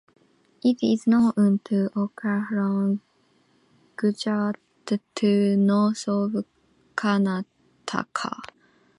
It is known to occur from Gujarat to north of Karnataka.